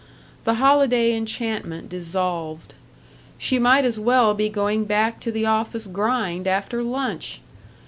The holiday enchantment dissolved. She might as well be going back to the office grind after lunch!